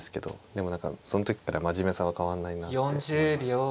でも何かその時から真面目さは変わんないなって思います。